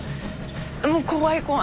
もう怖い怖い怖い。